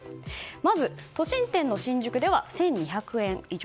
まず都心店の新宿では１２００円以上。